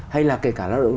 hay là kể cả lao động